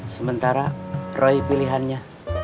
sementara roy pilihannya